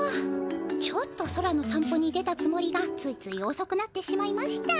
ちょっと空のさん歩に出たつもりがついついおそくなってしまいました。